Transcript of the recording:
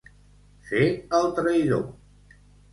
Fer el traïdor.